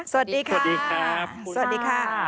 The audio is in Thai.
สวัสดีค่ะ